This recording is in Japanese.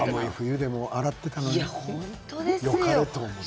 寒い冬でもあらっていたのによかれと思って。